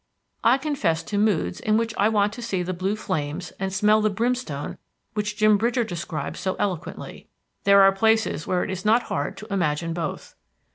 I confess to moods in which I want to see the blue flames and smell the brimstone which Jim Bridger described so eloquently. There are places where it is not hard to imagine both.